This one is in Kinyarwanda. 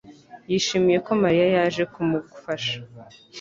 yishimiye ko Mariya yaje kumugufasha.